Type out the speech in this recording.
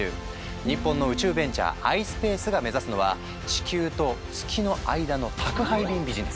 日本の宇宙ベンチャー「ｉｓｐａｃｅ」が目指すのは地球と月の間の宅配便ビジネス。